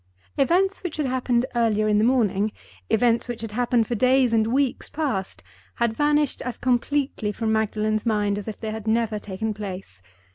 Events which had happened earlier in the morning, events which had happened for days and weeks past, had vanished as completely from Magdalen's mind as if they had never taken place.